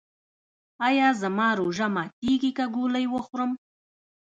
ایا زما روژه ماتیږي که ګولۍ وخورم؟